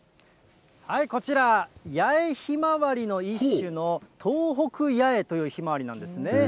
こちら、八重ひまわりの一種の東北八重というひまわりなんですね。